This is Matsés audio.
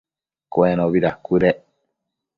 Cuenobi dacuëdec